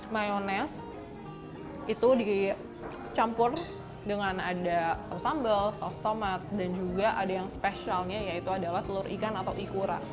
mayonese itu dicampur dengan ada saus sambal saus tomat dan juga ada yang spesialnya yaitu adalah telur ikan atau ikura